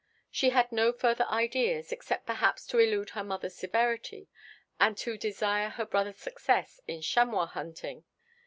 She had no further ideas, except perhaps to elude her mother's severity, and to desire her brother's success in chamois hunting.